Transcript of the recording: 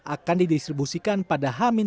akan didistribusikan pada hal